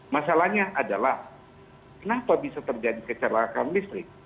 masalahnya adalah kenapa bisa terjadi kecelakaan listrik